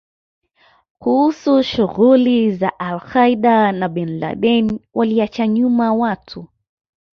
kuhusu shughuli za al Qaeda na Bin Laden Waliacha nyuma watu